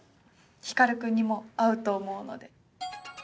光君にも合うと思うので。